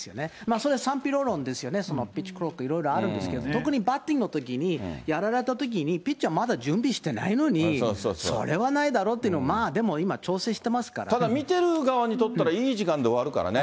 そりゃ、賛否両論ですよね、ピッチクロックいろいろあるんですけれども、特にバッティングのときに、やられたときに、ピッチャーまだ準備してないのに、それはないだろうっていう、まあ、でも、今、ただ見てる側にとっては、いい時間で終わるからね。